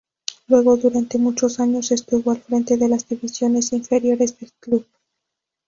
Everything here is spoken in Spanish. Luego durante muchos años estuvo al frente de las divisiones inferiores del club.